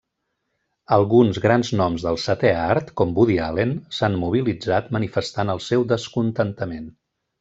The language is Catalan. Alguns grans noms del setè art, com Woody Allen, s'han mobilitzat manifestant el seu descontentament.